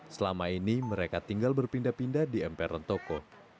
selama ini mereka tinggal berpindah pindah di emperan toko